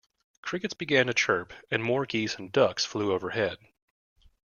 Crickets began to chirp, and more geese and ducks flew overhead.